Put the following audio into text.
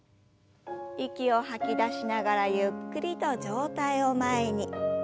息を吐き出しながらゆっくりと上体を前に。